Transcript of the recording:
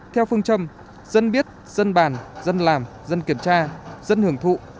theo phương châm dân biết dân bàn dân làm dân kiểm tra dân hưởng thụ